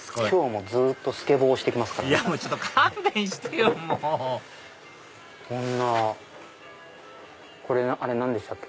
今日ずっとスケボー押します。